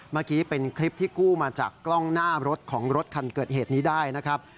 เมื่อกี้เป็นคลิปที่กู้มาจากกล้องหน้ารถของรถคันเกิดเหตุนี้ได้นะครับ